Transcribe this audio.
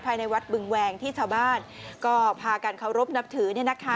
ภายในวัดบึงแวงที่ชาวบ้านก็พากันเคารพนับถือ